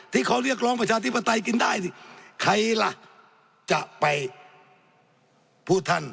ที่เขาเรียกร้องประชาธิปไตยกินได้นี่ใครล่ะจะไปพูดท่าน